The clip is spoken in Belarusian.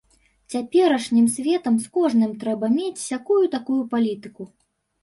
Цяперашнім светам з кожным трэба мець сякую-такую палітыку.